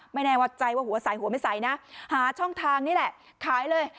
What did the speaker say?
ไม่แน่ใจวัดใจว่าหัวใสหัวไม่ใสนะหาช่องทางนี่แหละขายเลย